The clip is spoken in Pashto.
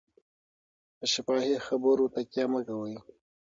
په شفاهي خبرو تکیه مه کوئ.